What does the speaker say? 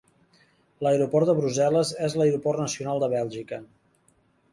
L'aeroport de Brussel·les és l'aeroport nacional de Bèlgica.